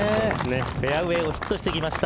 フェアウエーをヒットしてきました。